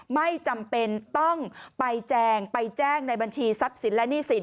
ไม่จำเป็นต้องไปแจงไปแจ้งในบัญชีทรัพย์สินและหนี้สิน